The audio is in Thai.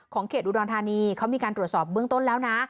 เขตอุดรธานีเขามีการตรวจสอบเบื้องต้นแล้วนะ